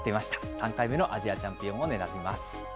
３回目のアジアチャンピオンを目指します。